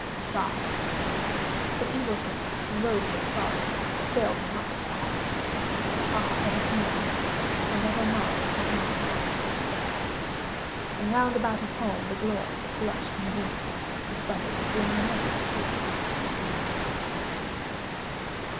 V. But evil things, in robes of sorrow, Assailed the monarch's high estate; (Ah, let us mourn, for never morrow Shall dawn upon him, desolate!) And, round about his home, the glory That blushed and bloomed Is but a dim remembered story Of the old time entombed.